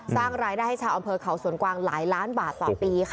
สร้างรายได้ให้ชาวอำเภอเขาสวนกวางหลายล้านบาทต่อปีค่ะ